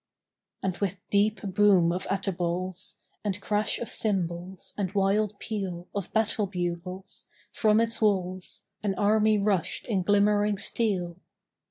And with deep boom of atabals And crash of cymbals and wild peal Of battle bugles, from its walls An army rushed in glimmering steel.